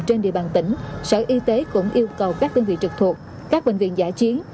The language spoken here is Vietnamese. trên địa bàn tỉnh sở y tế cũng yêu cầu các đơn vị trực thuộc các bệnh viện giả chiến